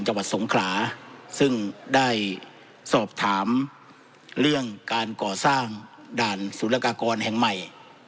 จังหวัดสงขลาซึ่งได้สอบถามเรื่องการก่อสร้างด่านสุรกากรแห่งใหม่